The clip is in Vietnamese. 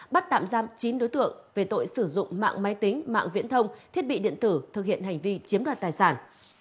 bắt tạm giam chín đối tượng về tội sử dụng mạng máy tính mạng viễn thông thiết bị điện tử thực hiện hành vi chiếm đoạt tài sản